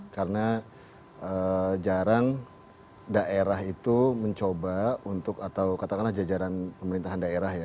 karena jarang daerah itu mencoba untuk atau katakanlah jajaran pemerintahan daerah ya